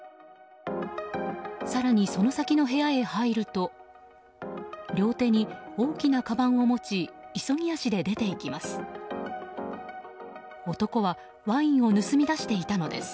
更に、その先の部屋へ入ると両手に大きなかばんを持ち急ぎ足で出て行きます。